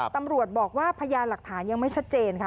ตำรวจบอกว่าพยานหลักฐานยังไม่ชัดเจนค่ะ